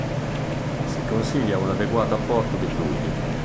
Si consiglia un adeguato apporto di fluidi.